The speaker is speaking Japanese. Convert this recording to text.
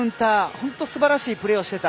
本当にすばらしいプレーをしてた。